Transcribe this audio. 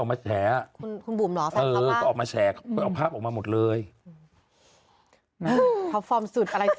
ไม่ต้องดูไอ้มี่ต้องดูเมื่อวานไง